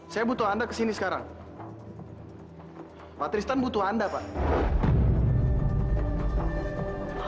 saya butuh anda kesini sekarang patristan butuh anda pak